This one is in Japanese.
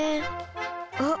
あっ。